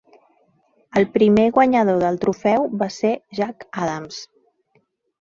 El primer guanyador del trofeu va ser Jack Adams.